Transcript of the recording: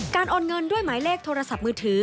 โอนเงินด้วยหมายเลขโทรศัพท์มือถือ